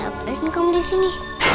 aku ingin kembali sini